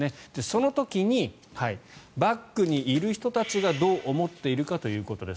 その時に、バックにいる人たちがどう思っているかということです